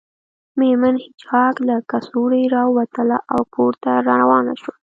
میرمن هیج هاګ له کڅوړې راووتله او کور ته روانه شوه